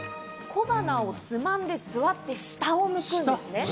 小鼻をつまんで、座って下を向くんですね。